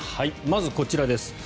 まずこちらです。